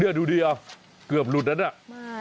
เนี่ยดูดิอ่ะเกือบหลุดอันนั้นอ่ะ